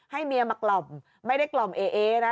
ให้เมียมากล่อมไม่ได้กล่อมเอนะ